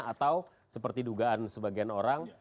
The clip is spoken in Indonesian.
atau seperti dugaan sebagian orang